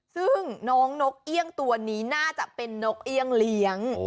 ซึ่งน้องนกเอี่ยงตัวนี้น่าจะเป็นนกเอี่ยงเลี้ยง